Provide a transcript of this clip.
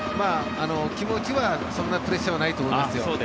気持ちはそんなプレッシャーはないと思いますよ。